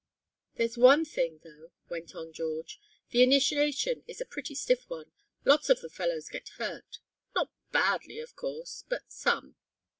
"There's one thing, though," went on George. "The initiation is a pretty stiff one. Lots of the fellows get hurt not badly, of course, but some."